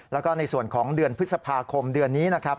แล้วก็ในส่วนของเดือนพฤษภาคมเดือนนี้นะครับ